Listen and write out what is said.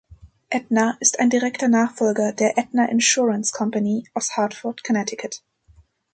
Aetna ist ein direkter Nachfolger der „Aetna Insurance Company“ aus Hartford, Connecticut.